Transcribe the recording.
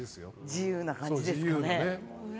自由な感じですよね。